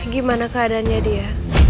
gimana keadaannya dia